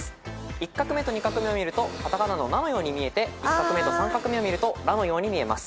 １画目と２画目を見ると片仮名の「ナ」のように見えて１画目と３画目を見ると「ラ」のように見えます。